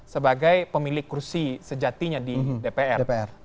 sebagai pemilik kursi sejatinya di dpr